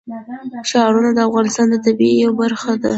ښارونه د افغانستان د طبیعت یوه برخه ده.